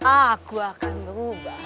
aku akan berubah